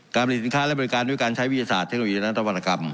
การบริษัทและบริการด้วยการใช้วิทยาศาสตร์เทคโนโลยีและนักธรรมนากรรม